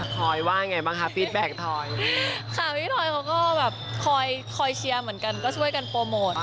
ค่ะพี่ทอยเค้าก็คอยเชียร์เหมือนกันก็ช่วยกันโปรโมท